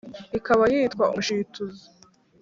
ikaba yitwa mushituzi,